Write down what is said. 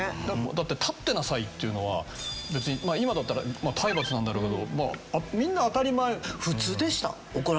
だって「立ってなさい」っていうのは今だったら体罰なんだろうけどみんな当たり前。